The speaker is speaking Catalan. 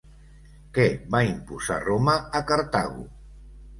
Què va imposar Roma a Cartago?